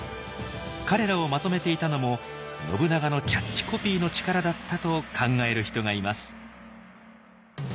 彼らをまとめていたのも信長のキャッチコピーの力だったと考える人がいます。